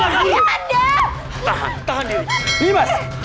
ayah anda terluka ray